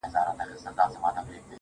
زما خوله كي شپېلۍ اشنا.